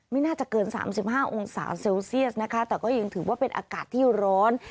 ไม่น่าจะเกิน๓๕องศาเซลเซียสนะคะแต่ก็ยังถือว่าเป็นอากาศที่ร้อน